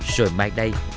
rồi mai đây